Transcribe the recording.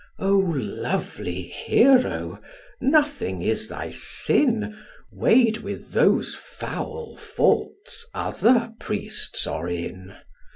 O lovely Hero, nothing is thy sin, Weigh'd with those foul faults other priests are in!